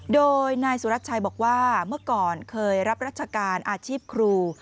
โดยนายสุรัติชัยบอกว่าเมื่อก่อนเคยรับรัชการอาชีพครู